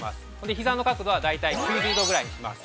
ひざの角度は大体９０度ぐらいにします。